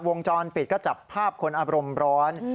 วงจรปิดก็จับภาพคนอารมณ์ร้อน